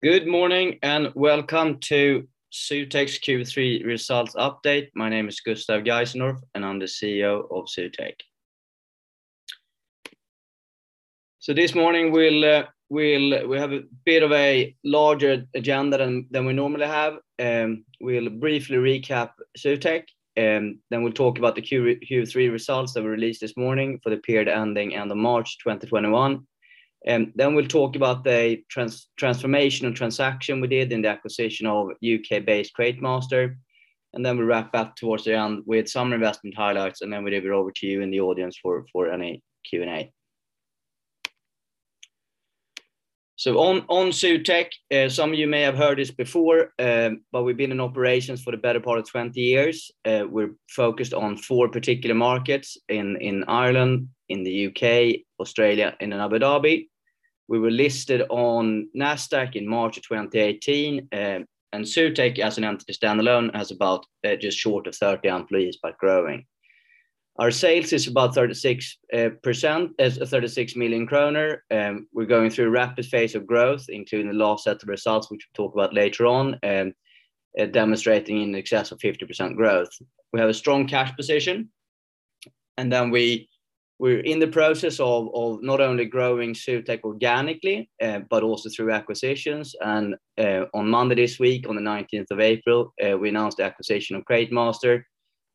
Good morning, welcome to Zutec's Q3 results update. My name is Gustave Geisendorf, and I'm the CEO of Zutec. This morning, we have a bit of a larger agenda than we normally have. We'll briefly recap Zutec, then we'll talk about the Q3 results that were released this morning for the period ending end of March 2021. We'll talk about the transformational transaction we did in the acquisition of U.K.-based Createmaster, and then we'll wrap up towards the end with some investment highlights, and then we'll give it over to you in the audience for any Q&A. On Zutec, some of you may have heard this before, but we've been in operations for the better part of 20 years. We're focused on four particular markets, in Ireland, in the U.K., Australia, and in Abu Dhabi. We were listed on Nasdaq in March of 2018, and Zutec, as an entity standalone, has about just short of 30 employees, but growing. Our sales is about 36 million kronor. We're going through a rapid phase of growth, including the last set of results, which we'll talk about later on, demonstrating in excess of 50% growth. We have a strong cash position, and then we're in the process of not only growing Zutec organically, but also through acquisitions. On Monday this week, on the 19th of April, we announced the acquisition of Createmaster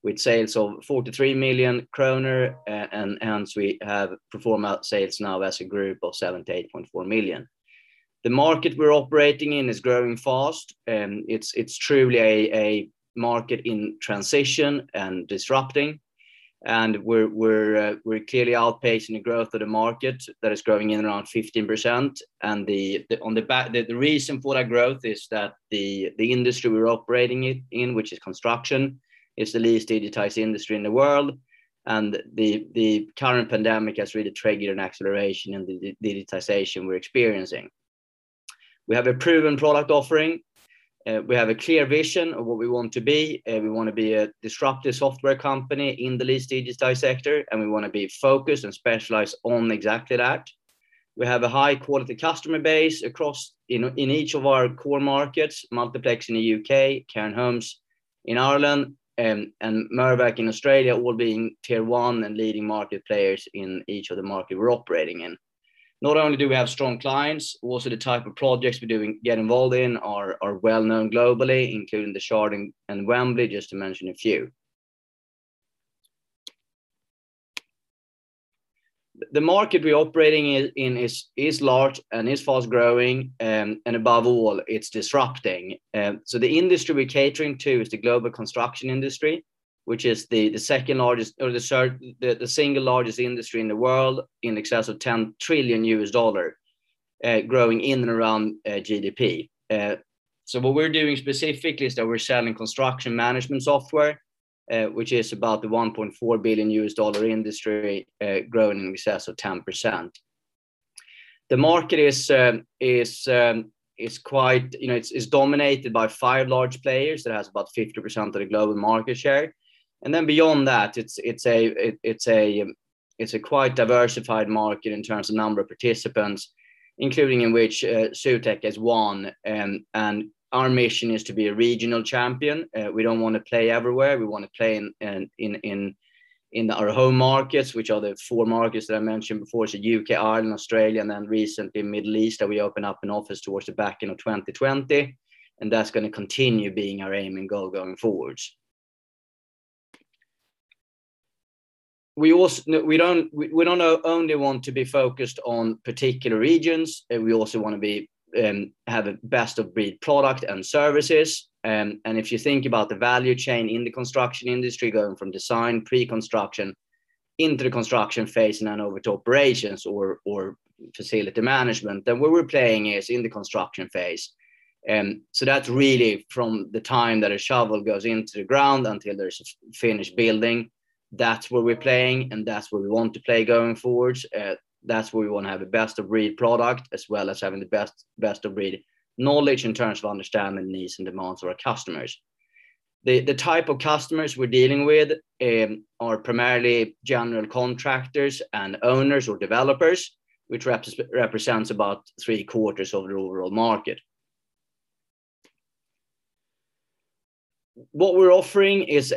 with sales of 43 million kronor, and hence we have performed our sales now as a group of 78.4 million. The market we're operating in is growing fast. It's truly a market in transition and disrupting, and we're clearly outpacing the growth of the market that is growing in around 15%. The reason for that growth is that the industry we're operating in, which is construction, is the least digitized industry in the world, and the current pandemic has really triggered an acceleration in the digitization we're experiencing. We have a proven product offering. We have a clear vision of what we want to be. We want to be a disruptive software company in the least digitized sector, and we want to be focused and specialized on exactly that. We have a high-quality customer base in each of our core markets, Multiplex in the U.K., Cairn Homes in Ireland, and Mirvac in Australia, all being tier one and leading market players in each of the market we're operating in. Not only do we have strong clients, also the type of projects we get involved in are well-known globally, including The Shard and Wembley, just to mention a few. The market we're operating in is large and is fast-growing, above all, it's disrupting. The industry we're catering to is the global construction industry, which is the single largest industry in the world, in excess of $10 trillion, growing in and around GDP. What we're doing specifically is that we're selling construction management software, which is about the $1.4 billion industry, growing in excess of 10%. The market is dominated by five large players that has about 50% of the global market share. Beyond that, it's a quite diversified market in terms of number of participants, including in which Zutec is one. Our mission is to be a regional champion. We don't want to play everywhere. We want to play in our home markets, which are the four markets that I mentioned before. U.K., Ireland, Australia, and then recently Middle East, that we opened up an office towards the back end of 2020, and that's going to continue being our aim and goal going forwards. We don't only want to be focused on particular regions, we also want to have a best-of-breed product and services. If you think about the value chain in the construction industry, going from design, pre-construction into the construction phase and then over to operations or facility management, then where we're playing is in the construction phase. That's really from the time that a shovel goes into the ground until there's a finished building. That's where we're playing, and that's where we want to play going forwards. That's where we want to have a best-of-breed product, as well as having the best-of-breed knowledge in terms of understanding the needs and demands of our customers. The type of customers we're dealing with are primarily general contractors and owners or developers, which represents about 3/4 of the overall market. What we're offering is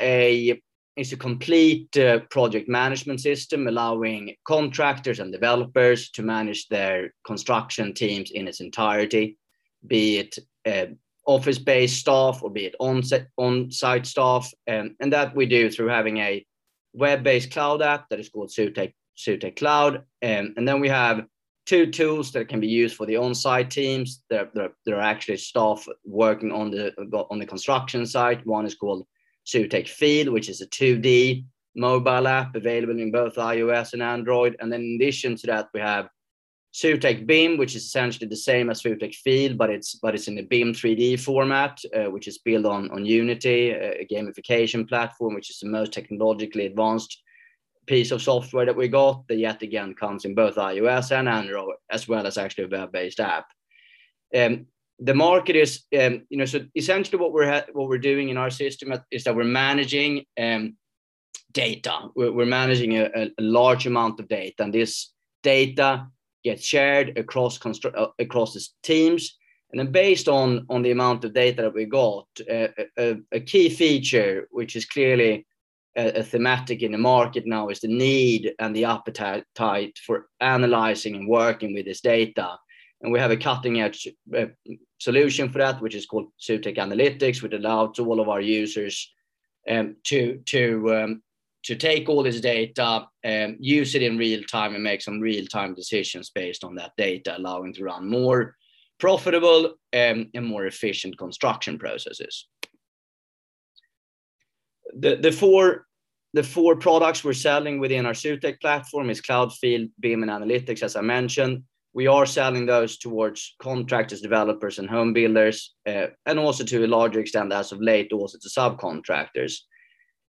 a complete project management system allowing contractors and developers to manage their construction teams in its entirety, be it office-based staff or be it on-site staff. That we do through having a web-based cloud app that is called Zutec Cloud. Then we have two tools that can be used for the on-site teams, they're actually staff working on the construction site. One is called Zutec Field, which is a 2D mobile app available in both iOS and Android. In addition to that, we have Zutec BIM, which is essentially the same as Zutec Field, but it's in a BIM 3D format, which is built on Unity, a gamification platform, which is the most technologically advanced piece of software that we got that yet again, comes in both iOS and Android, as well as actually a web-based app. Essentially what we're doing in our system is that we're managing data. We're managing a large amount of data, and this data gets shared across teams. Then based on the amount of data that we got, a key feature which is clearly a thematic in the market now is the need and the appetite for analyzing and working with this data, and we have a cutting-edge solution for that, which is called Zutec Analytics, which allows all of our users to take all this data, use it in real time, and make some real-time decisions based on that data, allowing to run more profitable and more efficient construction processes. The four products we're selling within our Zutec Platform is Cloud, Field, BIM, and Analytics, as I mentioned. We are selling those towards contractors, developers, and home builders, and also to a larger extent as of late, also to subcontractors.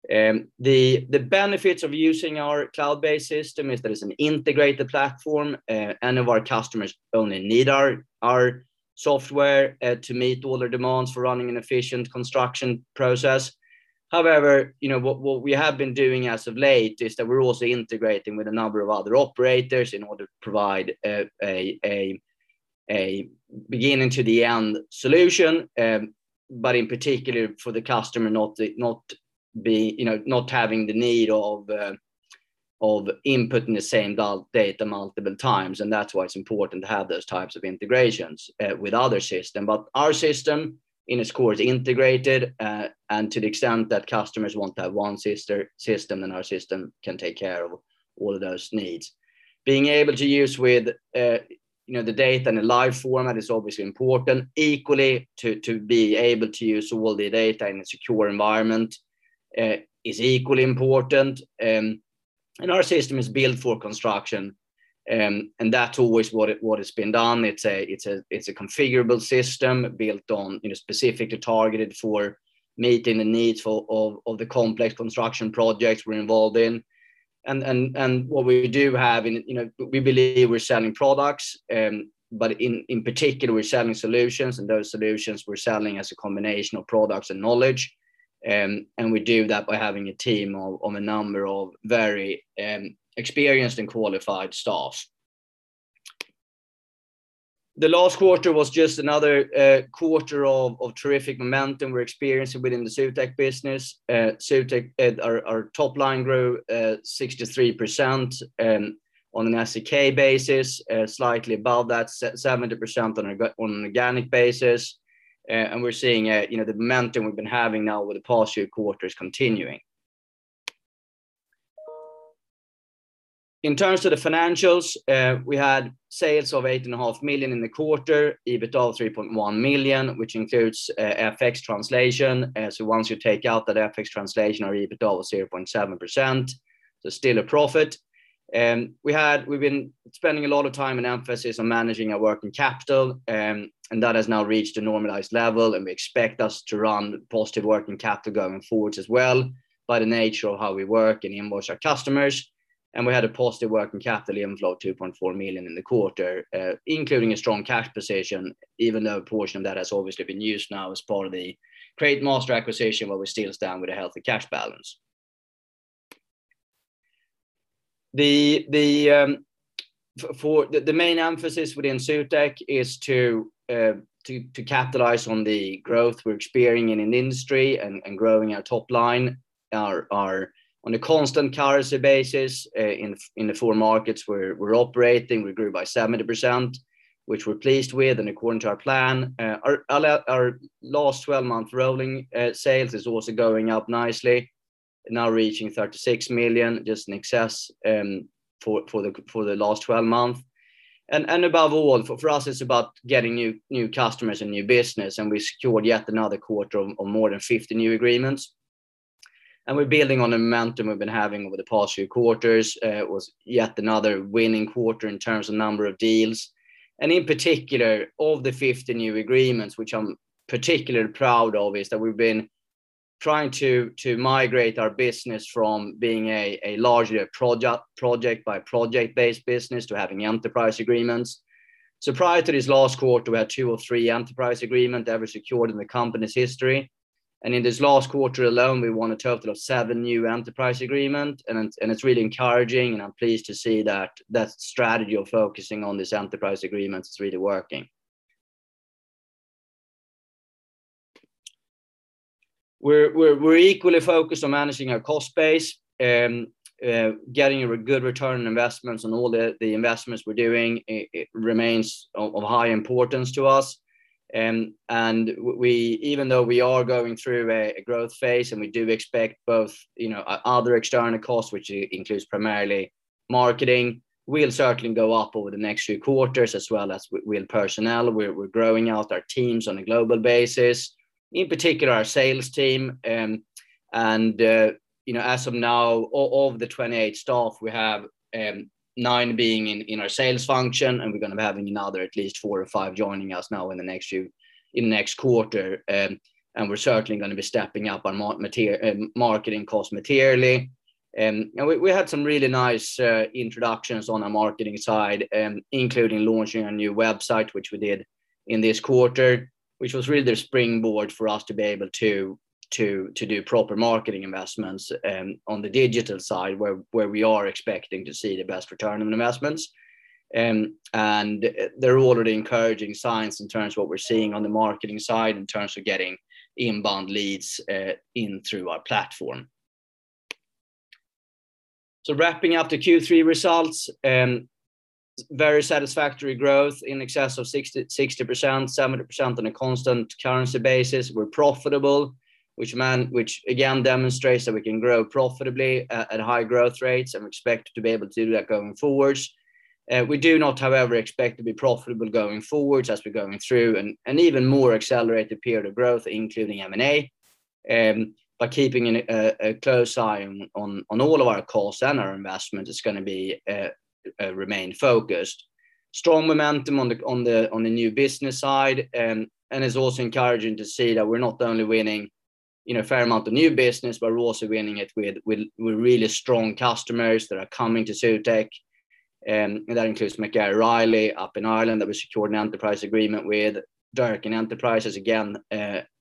The benefits of using our cloud-based system is that it's an integrated platform. Any of our customers only need our software to meet all their demands for running an efficient construction process. What we have been doing as of late is that we're also integrating with a number of other operators in order to provide a beginning to the end solution. In particular for the customer not having the need of inputting the same data multiple times, and that's why it's important to have those types of integrations with other systems. Our system, in its core, is integrated, and to the extent that customers want to have one system, then our system can take care of all of those needs. Being able to use the data in a live format is obviously important. Equally, to be able to use all the data in a secure environment is equally important. Our system is built for construction, and that's always what has been done. It's a configurable system built on, specifically targeted for meeting the needs of the complex construction projects we're involved in. What we do have, we believe we're selling products, but in particular, we're selling solutions, and those solutions we're selling as a combination of products and knowledge. We do that by having a team of a number of very experienced and qualified staff. The last quarter was just another quarter of terrific momentum we're experiencing within the Zutec business. Zutec, our top line grew 63% on an SEK basis, slightly above that, 70% on an organic basis. We're seeing the momentum we've been having now over the past few quarters continuing. In terms of the financials, we had sales of 8.5 million in the quarter, EBITDA of 3.1 million, which includes FX translation. Once you take out that FX translation, our EBITDA was [0.7 million], so still a profit. We've been spending a lot of time and emphasis on managing our working capital, and that has now reached a normalized level, we expect us to run positive working capital going forwards as well by the nature of how we work and invoice our customers. We had a positive working capital inflow of 2.4 million in the quarter, including a strong cash position, even though a portion of that has obviously been used now as part of the Createmaster acquisition, but we're still standing with a healthy cash balance. The main emphasis within Zutec is to capitalize on the growth we're experiencing in the industry and growing our top line. On a constant currency basis, in the four markets we're operating, we grew by 70%, which we're pleased with, and according to our plan. Our last 12-month rolling sales is also going up nicely, now reaching 36 million, just in excess, for the last 12 months. Above all, for us, it's about getting new customers and new business, and we secured yet another quarter of more than 50 new agreements. We're building on the momentum we've been having over the past few quarters. It was yet another winning quarter in terms of number of deals. In particular, of the 50 new agreements, which I'm particularly proud of, is that we've been trying to migrate our business from being a largely a project-by-project-based business to having enterprise agreements. Prior to this last quarter, we had two or three enterprise agreement ever secured in the company's history. In this last quarter alone, we won a total of seven new enterprise agreement, and it's really encouraging, and I'm pleased to see that strategy of focusing on this enterprise agreement is really working. We're equally focused on managing our cost base, getting a good return on investments and all the investments we're doing. It remains of high importance to us. Even though we are going through a growth phase, and we do expect both other external costs, which includes primarily marketing, will certainly go up over the next few quarters, as well as with personnel. We're growing out our teams on a global basis, in particular our sales team. As of now, of the 28 staff, we have nine being in our sales function, and we're going to be having another at least four or five joining us now in the next quarter. We're certainly going to be stepping up on marketing costs materially. We had some really nice introductions on our marketing side, including launching our new website, which we did in this quarter, which was really the springboard for us to be able to do proper marketing investments on the digital side, where we are expecting to see the best return on investments. There are already encouraging signs in terms of what we're seeing on the marketing side in terms of getting inbound leads in through our platform. Wrapping up the Q3 results, very satisfactory growth in excess of 60%, 70% on a constant currency basis. We're profitable, which again, demonstrates that we can grow profitably at high growth rates, and we expect to be able to do that going forwards. We do not, however, expect to be profitable going forwards as we're going through an even more accelerated period of growth, including M&A. Keeping a close eye on all of our costs and our investment is going to remain focused. Strong momentum on the new business side, and it's also encouraging to see that we're not only winning a fair amount of new business, but we're also winning it with really strong customers that are coming to Zutec. That includes McGarrell Reilly up in Ireland that we secured an enterprise agreement with. Durkan Enterprises, again,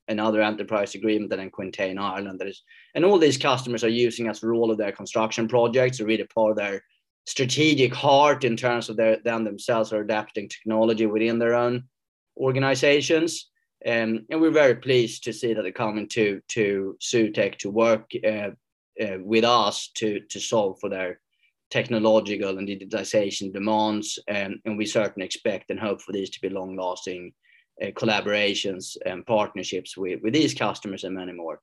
another enterprise agreement then in Quintain Ireland. All these customers are using us for all of their construction projects, really for their strategic heart in terms of them themselves are adapting technology within their own organizations. We're very pleased to see that they're coming to Zutec to work with us to solve for their technological and digitization demands. We certainly expect and hope for these to be long-lasting collaborations and partnerships with these customers and many more.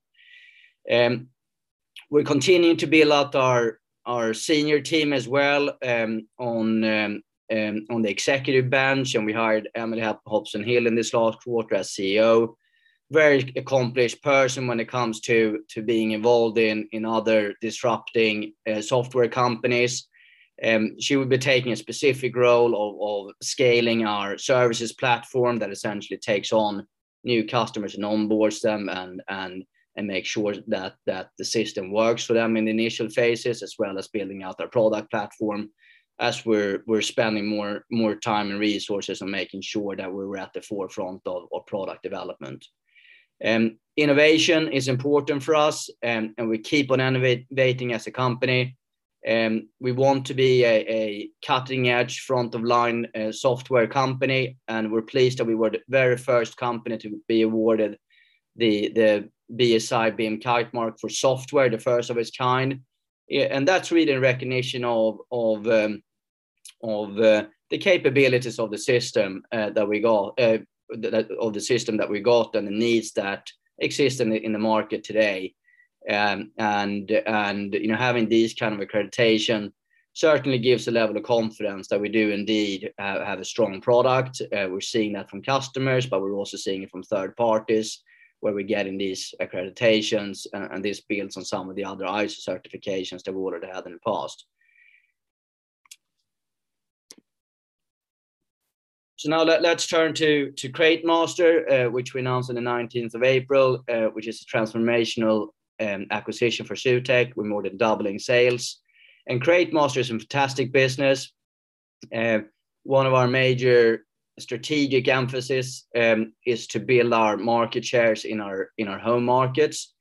We're continuing to build out our senior team as well on the executive bench, and we hired Emily Hopson-Hill in this last quarter as COO. Very accomplished person when it comes to being involved in other disrupting software companies. She will be taking a specific role of scaling our services platform that essentially takes on new customers and onboards them and makes sure that the system works for them in the initial phases, as well as building out their product platform as we're spending more time and resources on making sure that we're at the forefront of product development. Innovation is important for us. We keep on innovating as a company. We want to be a cutting-edge, front-of-line software company. We're pleased that we were the very first company to be awarded the BSI Kitemark for BIM software, the first of its kind. That's really in recognition of the capabilities of the system that we got and the needs that exist in the market today. Having this kind of accreditation certainly gives a level of confidence that we do indeed have a strong product. We're seeing that from customers, but we're also seeing it from third parties where we're getting these accreditations, and this builds on some of the other ISO certifications that we've already had in the past. Now let's turn to Createmaster, which we announced on the 19th of April, which is a transformational acquisition for Zutec. We're more than doubling sales. Createmaster is a fantastic business. One of our major strategic emphasis is to build our market shares in our home markets.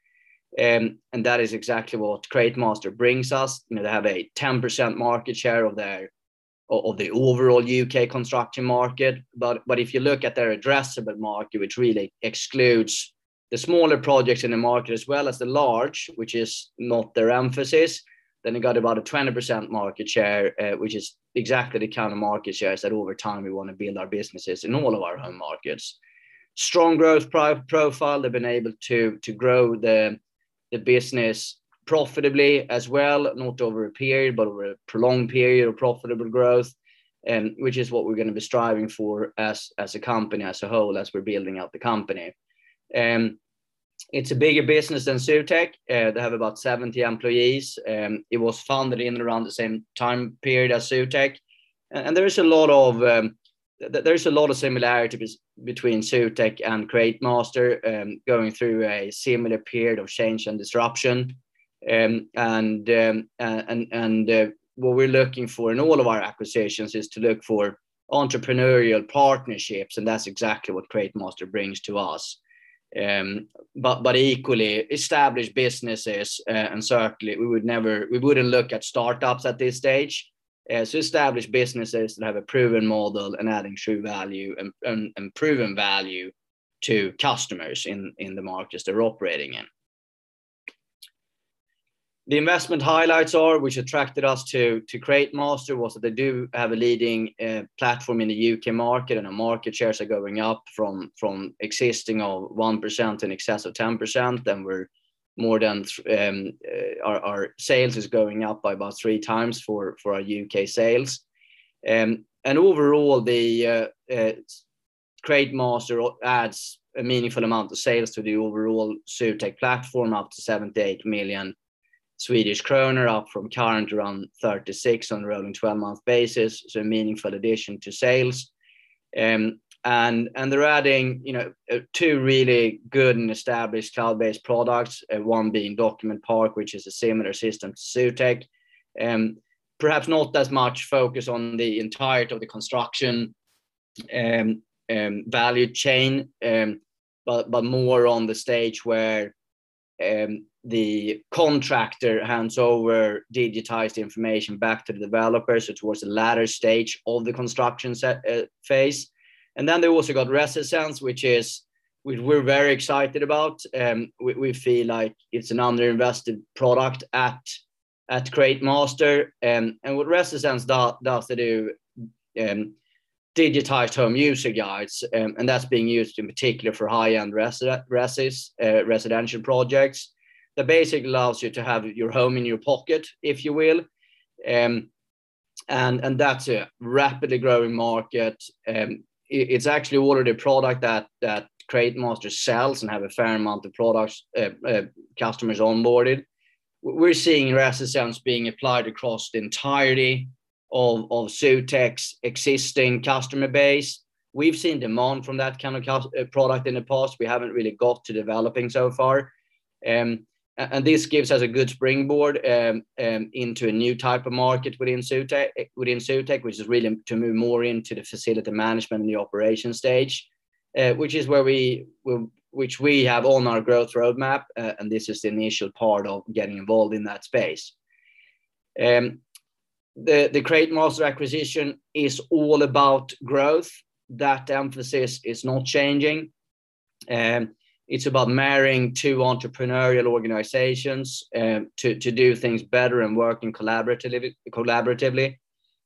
That is exactly what Createmaster brings us. They have a 10% market share of the overall U.K. construction market. If you look at their addressable market, which really excludes the smaller projects in the market as well as the large, which is not their emphasis, then they got about a 20% market share, which is exactly the kind of market shares that over time we want to build our businesses in all of our home markets. Strong growth profile. They've been able to grow the business profitably as well, not over a period, but over a prolonged period of profitable growth, which is what we're going to be striving for as a company as a whole, as we're building out the company. It's a bigger business than Zutec. They have about 70 employees. It was founded in around the same time period as Zutec. There is a lot of similarity between Zutec and Createmaster, going through a similar period of change and disruption. What we're looking for in all of our acquisitions is to look for entrepreneurial partnerships, and that's exactly what Createmaster brings to us. Equally established businesses, and certainly we wouldn't look at startups at this stage. Established businesses that have a proven model and adding true value and proven value to customers in the markets they're operating in. The investment highlights are, which attracted us to Createmaster, was that they do have a leading platform in the U.K. market, and the market shares are going up from existing of 1% in excess of 10%. Our sales is going up by about 3x for our U.K. sales. Overall, Createmaster adds a meaningful amount of sales to the overall Zutec platform, up to 78 million Swedish kronor, up from current around 36 million on a rolling 12-month basis, so meaningful addition to sales. They're adding two really good and established cloud-based products, one being DocumentPark, which is a similar system to Zutec. Perhaps not as much focus on the entirety of the construction value chain, but more on the stage where the contractor hands over digitized information back to the developers towards the latter stage of the construction phase. They've also got Resi-Sense, which we're very excited about. We feel like it's an under-invested product at Createmaster. What Resi-Sense does, they do digitized home user guides, and that's being used in particular for high-end residential projects, that basically allows you to have your home in your pocket, if you will. That's a rapidly growing market. It's actually already a product that Createmaster sells and have a fair amount of customers onboarded. We're seeing Resi-Sense being applied across the entirety of Zutec's existing customer base. We've seen demand from that kind of product in the past. We haven't really got to developing so far. This gives us a good springboard into a new type of market within Zutec, which is really to move more into the facility management and the operation stage, which we have on our growth roadmap, and this is the initial part of getting involved in that space. The Createmaster acquisition is all about growth. That emphasis is not changing. It's about marrying two entrepreneurial organizations to do things better and working collaboratively.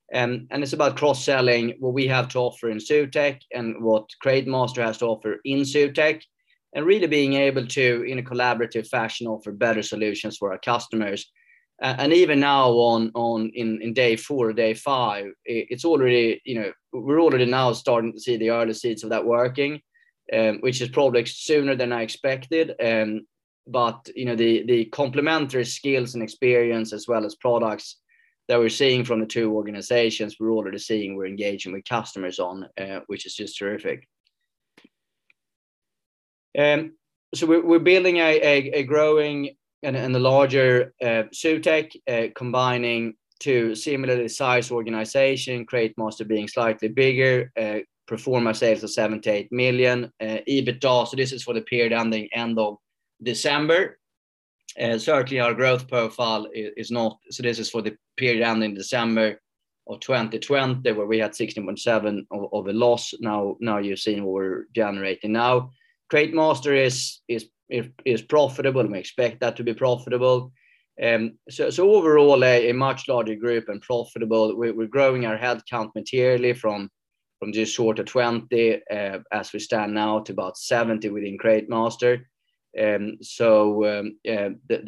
It's about cross-selling what we have to offer in Zutec and what Createmaster has to offer in Zutec, and really being able to, in a collaborative fashion, offer better solutions for our customers. Even now in day four or day five, we're already now starting to see the early seeds of that working, which is probably sooner than I expected. The complementary skills and experience as well as products that we're seeing from the two organizations, we're already seeing we're engaging with customers on, which is just terrific. We're building a growing and a larger Zutec, combining two similarly sized organization, Createmaster being slightly bigger, pro forma sales of 78 million EBITDA. This is for the period ending end of December. This is for the period ending December of 2020, where we had 16.7 million of a loss. Now you're seeing what we're generating now. Createmaster is profitable, and we expect that to be profitable. Overall, a much larger group and profitable. We're growing our head count materially from just short of 20 as we stand now to about 70 within Createmaster. The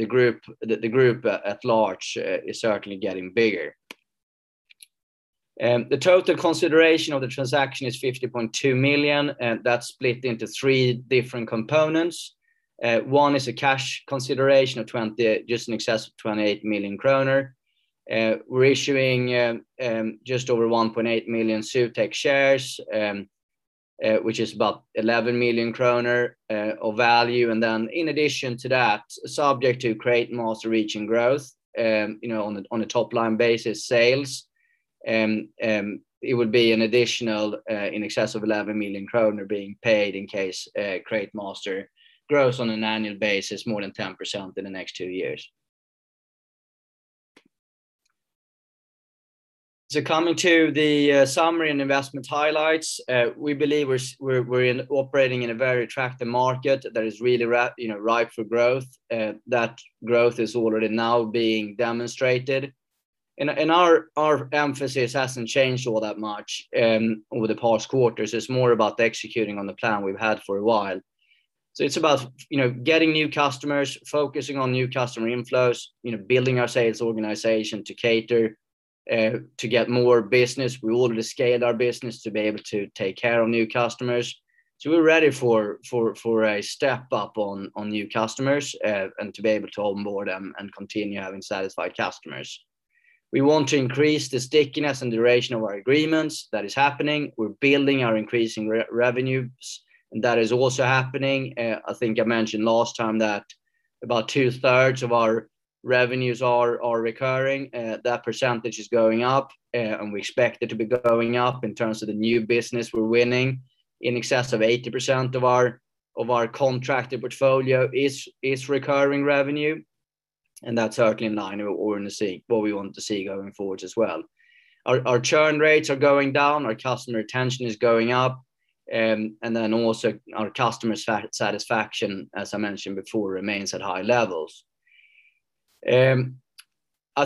group at large is certainly getting bigger. The total consideration of the transaction is 50.2 million, that's split into three different components. One is a cash consideration of just in excess of 28 million kronor. We're issuing just over 1.8 million Zutec shares, which is about 11 million kronor of value. In addition to that, subject to Createmaster reaching growth on a top-line basis, sales, it would be an additional in excess of 11 million kronor being paid in case Createmaster grows on an annual basis more than 10% in the next two years. Coming to the summary and investment highlights, we believe we're operating in a very attractive market that is really ripe for growth. That growth is already now being demonstrated. Our emphasis hasn't changed all that much over the past quarters. It's more about executing on the plan we've had for a while. It's about getting new customers, focusing on new customer inflows, building our sales organization to cater to get more business. We already scaled our business to be able to take care of new customers. We're ready for a step-up on new customers and to be able to onboard them and continue having satisfied customers. We want to increase the stickiness and duration of our agreements. That is happening. We're building our increasing revenues, and that is also happening. I think I mentioned last time that about 2/3 of our revenues are recurring. That percentage is going up, and we expect it to be going up in terms of the new business we're winning. In excess of 80% of our contracted portfolio is recurring revenue, and that's certainly in line with what we want to see going forwards as well. Our churn rates are going down, our customer retention is going up, and then also our customer satisfaction, as I mentioned before, remains at high levels. I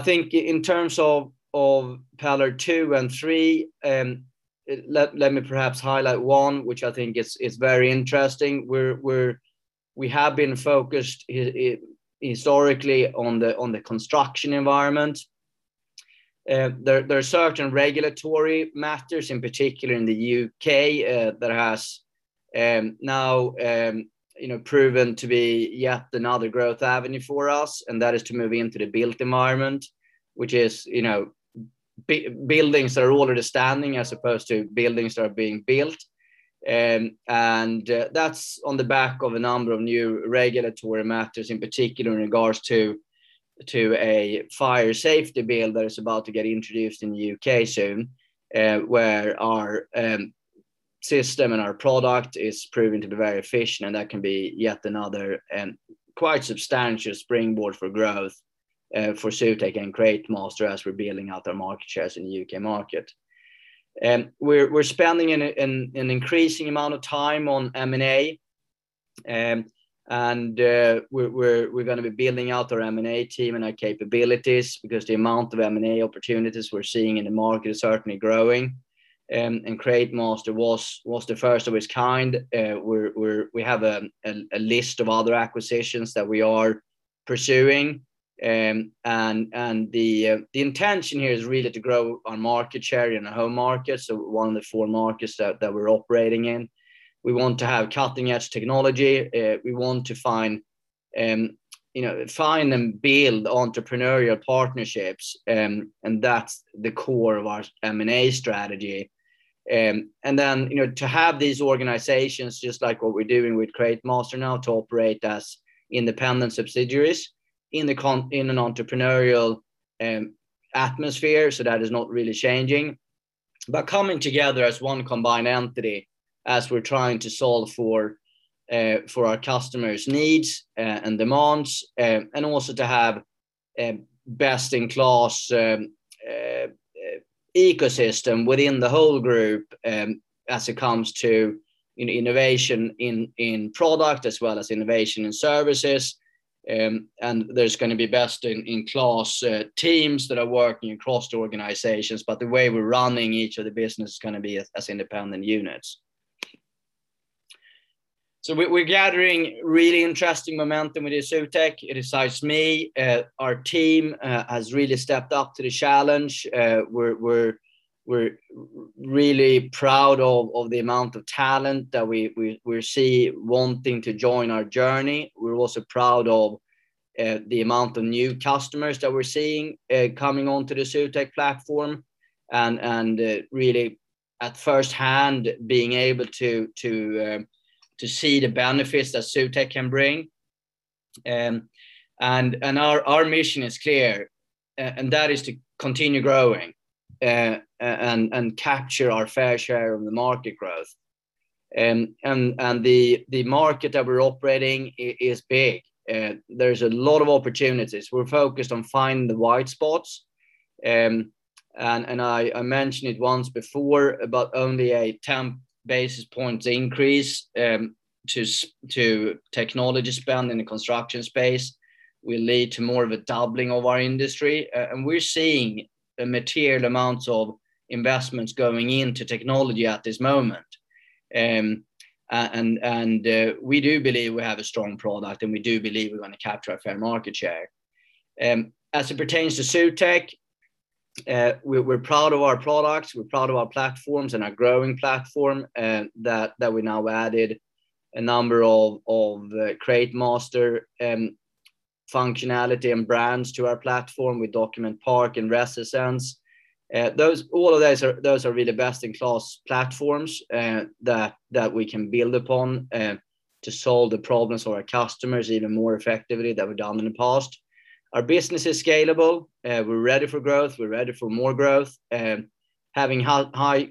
think in terms of pillar two and three, let me perhaps highlight one, which I think is very interesting. We have been focused historically on the construction environment. There are certain regulatory matters, in particular in the U.K., that has now proven to be yet another growth avenue for us, and that is to move into the built environment, which is buildings that are already standing as opposed to buildings that are being built. That's on the back of a number of new regulatory matters, in particular in regards to a Fire Safety Bill that is about to get introduced in the U.K. soon, where our system and our product is proven to be very efficient, and that can be yet another quite substantial springboard for growth for Zutec and Createmaster as we're building out our market shares in the U.K. market. We're spending an increasing amount of time on M&A and we're going to be building out our M&A team and our capabilities because the amount of M&A opportunities we're seeing in the market is certainly growing. Createmaster was the first of its kind. We have a list of other acquisitions that we are pursuing. The intention here is really to grow our market share in the home market, so one of the four markets that we're operating in. We want to have cutting-edge technology. We want to find and build entrepreneurial partnerships, and that's the core of our M&A strategy. To have these organizations, just like what we're doing with Createmaster now, to operate as independent subsidiaries in an entrepreneurial atmosphere. That is not really changing. Coming together as one combined entity as we're trying to solve for our customers' needs and demands, and also to have best-in-class ecosystem within the whole group as it comes to innovation in product as well as innovation in services. There's going to be best-in-class teams that are working across the organizations, but the way we're running each of the business is going to be as independent units. We're gathering really interesting momentum with Zutec. It excites me. Our team has really stepped up to the challenge. We're really proud of the amount of talent that we see wanting to join our journey. We're also proud of the amount of new customers that we're seeing coming onto the Zutec platform and really at firsthand being able to see the benefits that Zutec can bring. Our mission is clear, and that is to continue growing and capture our fair share of the market growth. The market that we're operating is big. There's a lot of opportunities. We're focused on finding the white spots. I mentioned it once before, about only a 10 basis points increase to technology spend in the construction space will lead to more of a doubling of our industry. We're seeing a material amount of investments going into technology at this moment. We do believe we have a strong product, and we do believe we're going to capture our fair market share. As it pertains to Zutec, we're proud of our products, we're proud of our platforms and our growing platform that we now added a number of Createmaster functionality and brands to our platform with DocumentPark and Resi-Sense. All of those are really best-in-class platforms that we can build upon to solve the problems for our customers even more effectively than we've done in the past. Our business is scalable. We're ready for growth. We're ready for more growth. Having high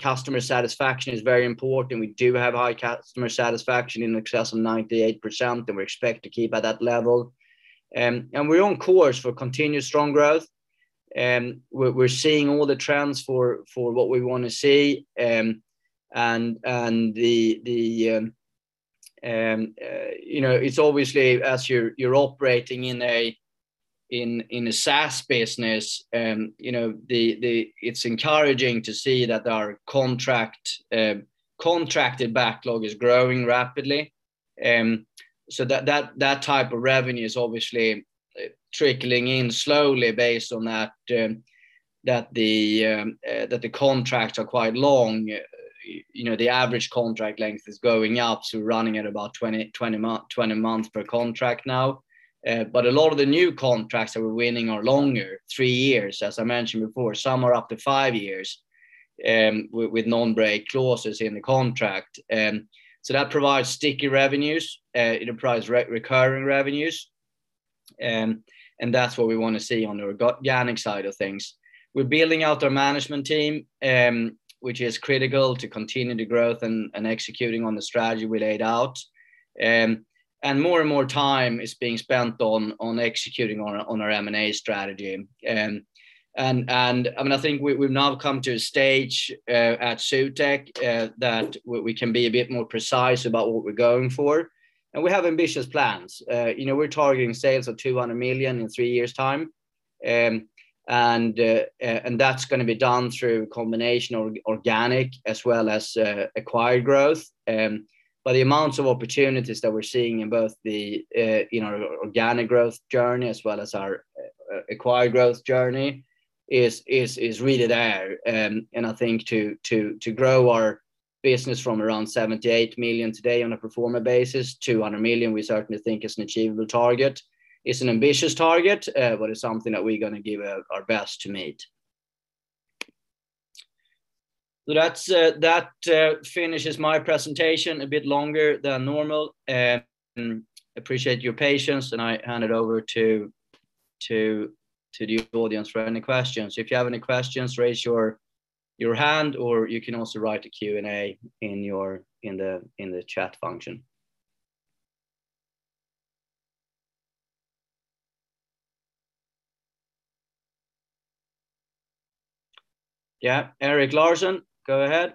customer satisfaction is very important. We do have high customer satisfaction in excess of 98%, and we expect to keep at that level. We're on course for continued strong growth. We're seeing all the trends for what we want to see. Obviously, as you're operating in a SaaS business, it's encouraging to see that our contracted backlog is growing rapidly. That type of revenue is obviously trickling in slowly based on that the contracts are quite long. The average contract length is going up to running at about 20 months per contract now. A lot of the new contracts that we're winning are longer, three years, as I mentioned before. Some are up to five years with non-break clauses in the contract. That provides sticky revenues, it provides recurring revenues, and that's what we want to see on the organic side of things. We're building out our management team, which is critical to continue the growth and executing on the strategy we laid out. More and more time is being spent on executing on our M&A strategy. I think we've now come to a stage at Zutec that we can be a bit more precise about what we're going for. We have ambitious plans. We're targeting sales of 200 million in three years' time, and that's going to be done through combination organic as well as acquired growth. The amount of opportunities that we're seeing in both the organic growth journey as well as our acquired growth journey is really there. I think to grow our business from around 78 million today on a pro forma basis to 200 million we certainly think is an achievable target. It's an ambitious target, but it's something that we're going to give our best to meet. That finishes my presentation a bit longer than normal. Appreciate your patience, I hand it over to the audience for any questions. If you have any questions, raise your hand, or you can also write a Q&A in the chat function. Eric Larson, go ahead.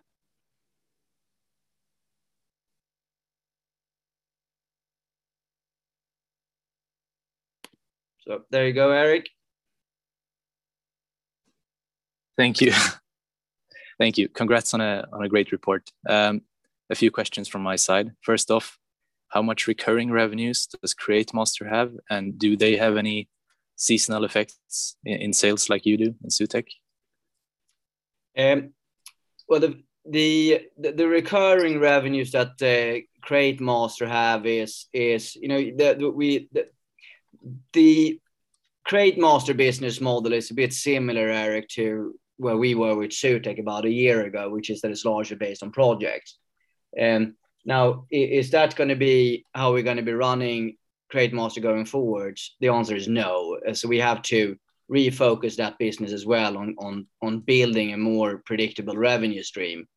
There you go, Eric. Thank you. Thank you. Congrats on a great report. A few questions from my side. First off, how much recurring revenues does Createmaster have, and do they have any seasonal effects in sales like you do in Zutec? Well, the recurring revenues that Createmaster have, the Createmaster business model is a bit similar, Eric, to where we were with Zutec about a year ago, which is that it's largely based on projects. Is that going to be how we're going to be running Createmaster going forward? The answer is no. We have to refocus that business as well on building a more predictable revenue stream.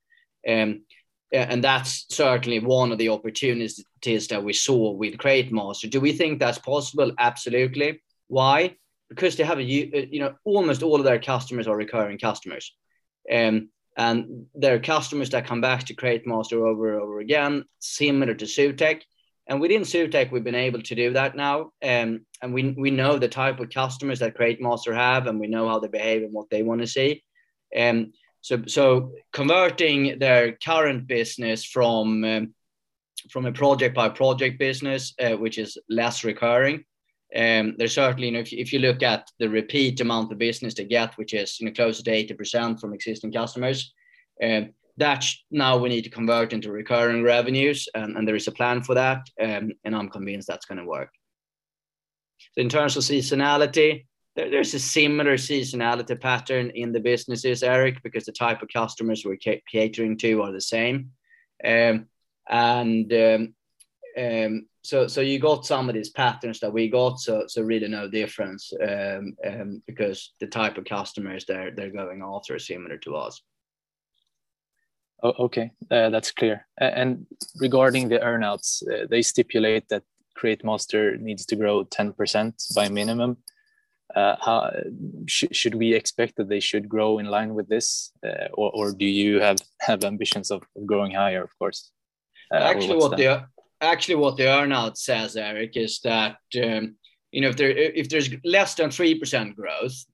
That's certainly one of the opportunities that we saw with Createmaster. Do we think that's possible? Absolutely. Why? Because almost all of their customers are recurring customers, and they're customers that come back to Createmaster over and over again, similar to Zutec. Within Zutec, we've been able to do that now. We know the type of customers that Createmaster have, and we know how they behave and what they want to see. Converting their current business from a project-by-project business, which is less recurring, if you look at the repeat amount of business they get, which is close to 80% from existing customers, that now we need to convert into recurring revenues, and there is a plan for that. I'm convinced that's going to work. In terms of seasonality, there's a similar seasonality pattern in the businesses, Eric, because the type of customers we're catering to are the same. You got some of these patterns that we got, so really no difference because the type of customers they're going after are similar to us. Okay. That's clear. Regarding the earn-outs, they stipulate that Createmaster needs to grow 10% by minimum. Should we expect that they should grow in line with this, or do you have ambitions of growing higher, of course? Actually, what the earn-out says, Eric, is that if there's less than 3% growth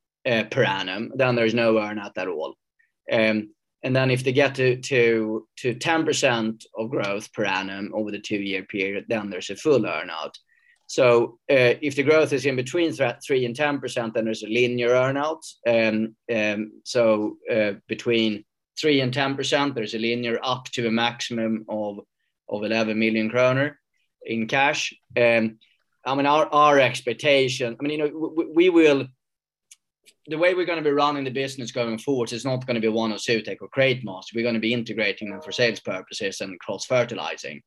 per annum, then there's no earn-out at all. If they get to 10% of growth per annum over the two-year period, then there's a full earn-out. If the growth is in between 3% and 10%, then there's a linear earn-out. Between 3% and 10%, there's a linear up to a maximum of 11 million kronor in cash. The way we're going to be running the business going forward is not going to be one of Zutec or Createmaster. We're going to be integrating them for sales purposes and cross-fertilizing.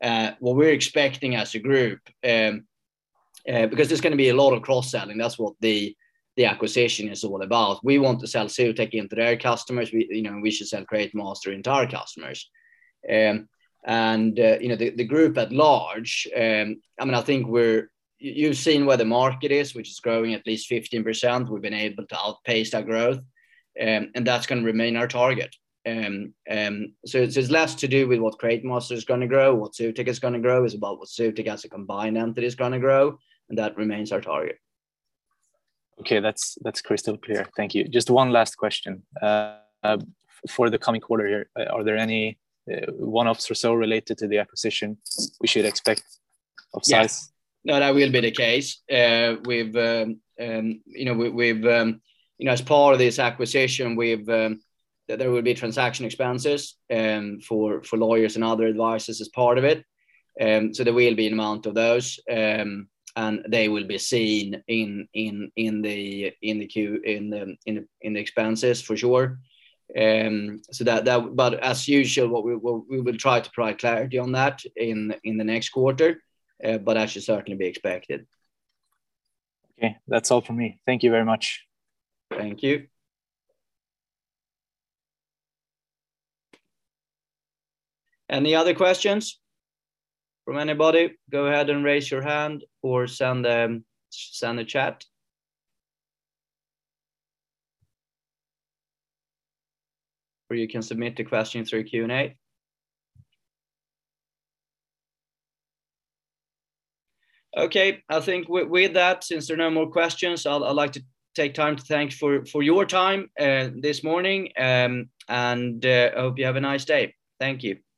What we're expecting as a group, because there's going to be a lot of cross-selling. That's what the acquisition is all about. We want to sell Zutec into their customers. We wish to sell Createmaster into our customers. The group at large, you've seen where the market is, which is growing at least 15%. We've been able to outpace that growth, and that's going to remain our target. It's less to do with what Createmaster is going to grow, what Zutec is going to grow. It's about what Zutec as a combined entity is going to grow, and that remains our target. Okay. That's crystal clear. Thank you. Just one last question. For the coming quarter here, are there any one-offs or so related to the acquisition we should expect of size? Yes. No, that will be the case. As part of this acquisition, there will be transaction expenses for lawyers and other advisors as part of it. There will be an amount of those, and they will be seen in the expenses for sure. As usual, we will try to provide clarity on that in the next quarter, but that should certainly be expected. Okay. That's all from me. Thank you very much. Thank you. Any other questions from anybody? Go ahead and raise your hand or send a chat. You can submit the question through Q&A. Okay. I think with that, since there are no more questions, I'd like to take time to thank you for your time this morning, and I hope you have a nice day. Thank you.